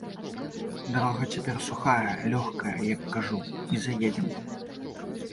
Дарога цяпер сухая, лёгкая, як кажу, і заедзем.